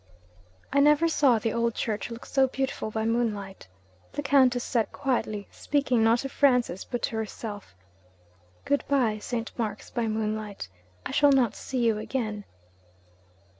'I never saw the old church look so beautiful by moonlight,' the Countess said quietly; speaking, not to Francis, but to herself. 'Good bye, St. Mark's by moonlight! I shall not see you again.'